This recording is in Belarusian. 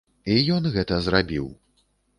І ён гэта зрабіў.